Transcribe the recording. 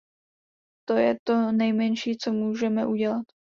To je to nejmenší, co můžeme udělat.